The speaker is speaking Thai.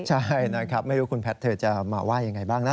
ใช่นะครับไม่รู้คุณแพทย์เธอจะมาว่ายังไงบ้างนะ